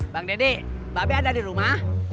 bang dede mbak be ada di rumah